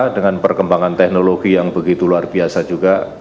dengan perkembangan teknologi yang begitu luar biasa juga